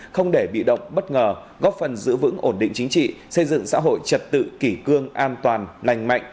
không để bị động bất ngờ góp phần giữ vững ổn định chính trị xây dựng xã hội trật tự kỷ cương an toàn lành mạnh